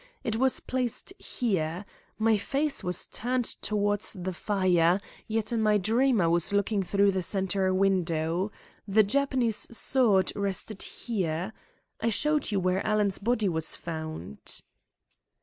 It was placed here. My face was turned towards the fire, yet in my dream I was looking through the centre window. The Japanese sword rested here. I showed you where Alan's body was found."